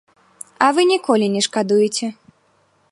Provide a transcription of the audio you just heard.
А вы ніколі не шкадуеце.